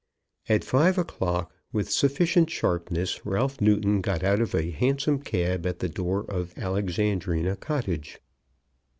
At five o'clock, with sufficient sharpness, Ralph Newton got out of a Hansom cab at the door of Alexandrina Cottage.